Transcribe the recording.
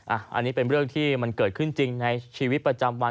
อันนี้เป็นเรื่องที่มันเกิดขึ้นจริงในชีวิตประจำวัน